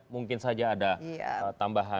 mungkin saja ada tambahan